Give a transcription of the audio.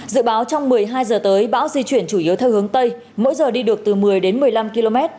dự báo trong một mươi hai giờ tới bão di chuyển chủ yếu theo hướng tây mỗi giờ đi được từ một mươi đến một mươi năm km